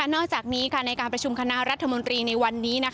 นอกจากนี้ในการประชุมคณะรัฐมนตรีในวันนี้